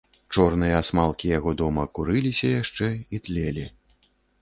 Чорныя асмалкі яго дома курыліся яшчэ і тлелі.